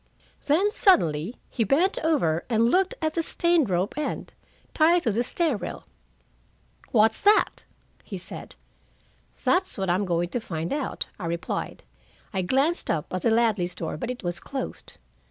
Then, suddenly, he bent over and looked at the stained rope end, tied to the stair rail. "What's that?" he said. "That's what I'm going to find out," I replied. I glanced up at the Ladleys' door, but it was closed.